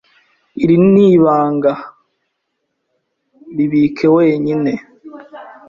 Iri ni ibanga. Wibike wenyine.